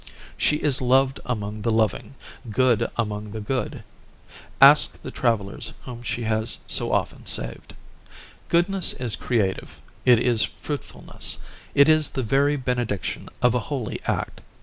She is loving among the loving, good among the good. (Ask the travelers whom she has so often saved.) Goodness is creative; it is fruitfulness; it is the very benediction of a holy act.